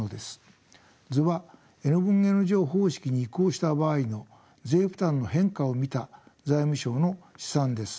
図はＮ分Ｎ乗方式に移行した場合の税負担の変化を見た財務省の試算です。